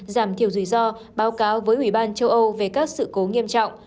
giảm thiểu rủi ro báo cáo với ủy ban châu âu về các sự cố nghiêm trọng